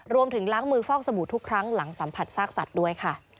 รวมถึงล้างมือฟอกสบู่ทุกครั้งหลังสัมผัสซากสัตว์ด้วยค่ะ